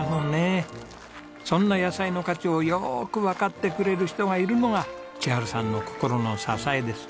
そんな野菜の価値をよくわかってくれる人がいるのが千春さんの心の支えです。